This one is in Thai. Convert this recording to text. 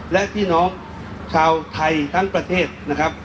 และพี่น้องชาวไทยทั้งประเทศนะครับ